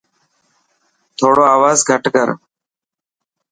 ٿوڙو آواز گهٽ ڪر.